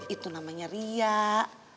itu namanya riak